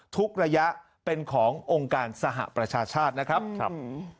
ระยะเป็นขององค์การสหประชาชาตินะครับ